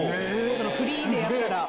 そのフリーでやるから。